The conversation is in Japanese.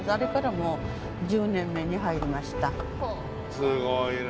すごいね。